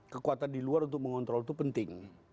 kekuatan di luar untuk mengontrol itu penting